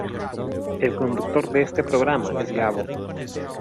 El conductor de este programa es Gabo.